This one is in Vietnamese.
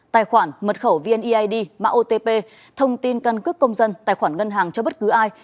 tài khoản mật khẩu vneid mạng otp thông tin căn cước công dân tài khoản ngân hàng cho bất cứ ai